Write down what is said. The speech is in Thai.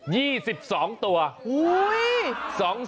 กินเน็ตโวลด์